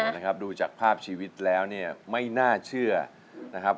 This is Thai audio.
นะครับดูจากภาพชีวิตแล้วเนี่ยไม่น่าเชื่อนะครับ